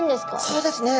そうですね。